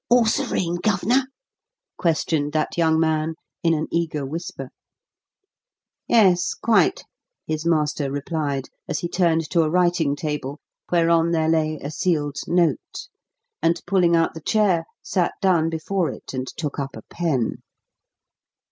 "All serene, Gov'nor?" questioned that young man, in an eager whisper. "Yes, quite," his master replied, as he turned to a writing table whereon there lay a sealed note, and, pulling out the chair, sat down before it and took up a pen.